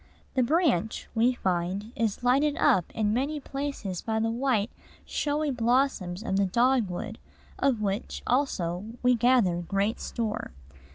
"The branch," we find, is lighted up in many places by the white, showy blossoms of the dogwood, of which, also, we gather great store.